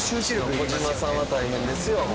小島さんは大変ですよ。